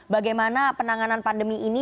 bagaimana penanganan pandemi ini